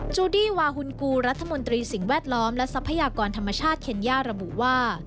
ูดี้วาฮุนกูรัฐมนตรีสิ่งแวดล้อมและทรัพยากรธรรมชาติเคนย่าระบุว่า